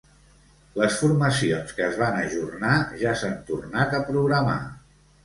Les formacions que es van ajornar ja s'han tornat a programar.